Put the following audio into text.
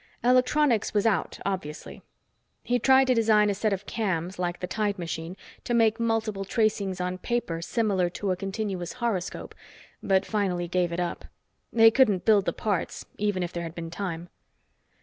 Electronics was out, obviously. He tried to design a set of cams, like the tide machine, to make multiple tracings on paper similar to a continuous horoscope, but finally gave it up. They couldn't build the parts, even if there had been time.